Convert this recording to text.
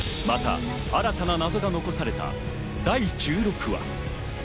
また新たな謎が残された第１６話。